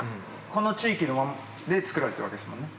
この地域で造られてるわけですもんね。